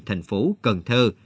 thành phố cần thơ